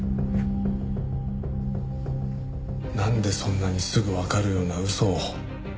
なんでそんなにすぐわかるような嘘を。